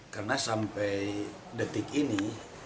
karena sampai detik ini